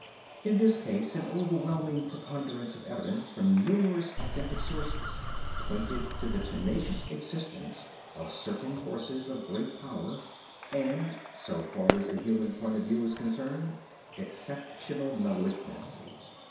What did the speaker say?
In this case an overwhelming preponderance of evidence from numerous authentic sources pointed to the tenacious existence of certain forces of great power and, so far as the human point of view is concerned, exceptional malignancy.